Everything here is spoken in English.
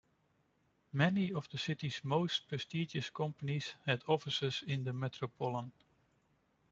Many of the city's most prestigious companies had offices in the Metropolitan.